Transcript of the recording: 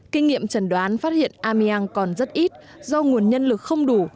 kinh nghiệm trần đoán phát hiện amiang còn rất ít do nguồn nhân lực không đủ